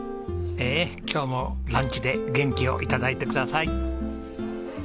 今日もランチで元気を頂いてください。